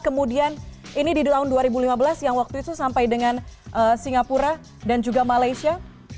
kemudian ini di tahun dua ribu lima belas yang waktu itu sampai dengan singapura dan juga malaysia